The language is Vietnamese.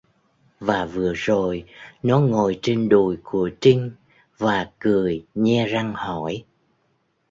Và vừa rồi nó ngồi trên đùi của trinh và cười nhe răng hỏi